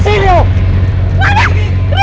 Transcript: sini ini lawan gua bukan sama michelle